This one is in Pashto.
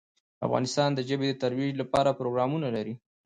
افغانستان د ژبې د ترویج لپاره پروګرامونه لري.